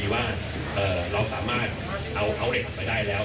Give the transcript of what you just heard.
บอกเขาเลยครับ